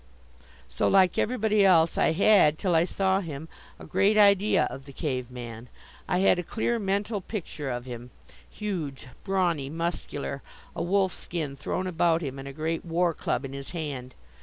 So, like everybody else, I had, till I saw him, a great idea of the cave man. I had a clear mental picture of him huge, brawny, muscular, a wolfskin thrown about him and a great war club in his hand.